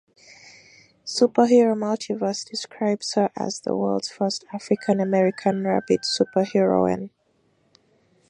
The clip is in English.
Superhero Multiverse describes her as "the world's first African-American rabbit superheroine".